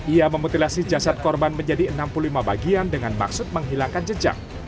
ia memutilasi jasad korban menjadi enam puluh lima bagian dengan maksud menghilangkan jejak